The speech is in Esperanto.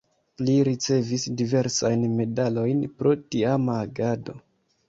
Li ricevis diversajn medalojn pro tiama agado.